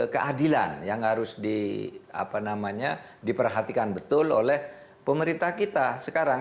keadilan yang harus diperhatikan betul oleh pemerintah kita sekarang